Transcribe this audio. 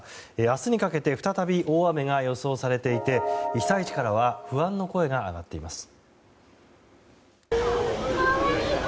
明日にかけて再び大雨が予想されていて被災地からは不安の声が上がっています。